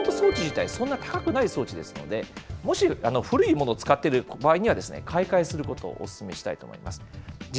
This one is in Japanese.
もともと装置自体、そんな高くない装置ですので、もし古いものを使っている場合には、買い替えすることをお勧めしたいと思います。